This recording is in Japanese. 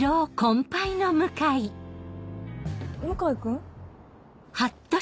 向井君？